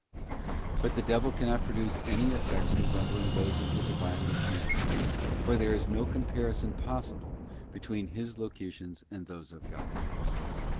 But the devil cannot produce any effects resembling those of the Divine Locutions, for there is no comparison possible between his locutions and those of God.